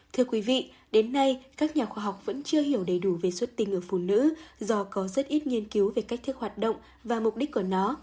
thưa quý vị đến nay các nhà khoa học vẫn chưa hiểu đầy đủ về xuất tinh ở phụ nữ do có rất ít nghiên cứu về cách thức hoạt động và mục đích của nó